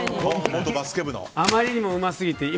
あまりにもうますぎてえ？